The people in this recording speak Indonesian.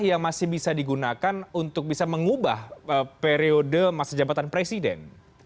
yang masih bisa digunakan untuk bisa mengubah periode masa jabatan presiden